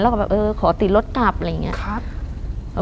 แล้วก็แบบเออขอติดรถกลับอะไรอย่างนี้ครับ